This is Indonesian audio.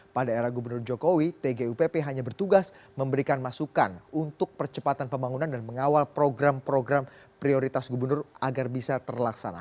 pada era gubernur jokowi tgupp hanya bertugas memberikan masukan untuk percepatan pembangunan dan mengawal program program prioritas gubernur agar bisa terlaksana